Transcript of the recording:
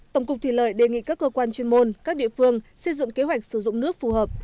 tổng cục thủy lợi đề nghị các cơ quan chuyên môn các địa phương xây dựng kế hoạch sử dụng nước phù hợp